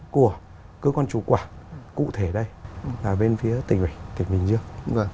của cơ quan chủ quản cụ thể đây là bên phía tỉnh bình dương